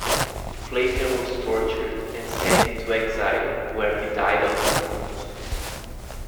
Flavian was tortured and sent into exile, where he died of his wounds.